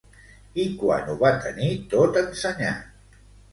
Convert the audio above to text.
I quan ho va tenir tot ensenyat?